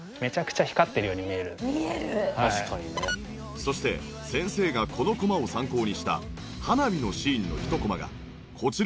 そして先生がこのコマを参考にした花火のシーンのひとコマがこちら。